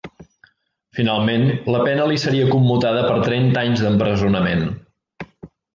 Finalment la pena li seria commutada per trenta anys d'empresonament.